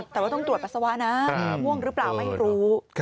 แต่ว่าต้องตรวจปัสสาวะนะง่วงหรือเปล่าไม่รู้